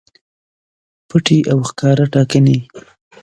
پټې او ښکاره ټاکنې